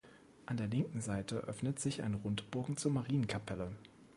An der linken Seite öffnet sich ein Rundbogen zur Marienkapelle.